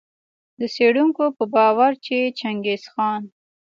د څېړونکو په باور چي چنګیز خان